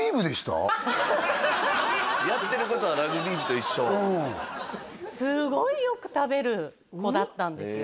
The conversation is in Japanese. はいやってることはラグビー部と一緒すごいよく食べる子だったんですよ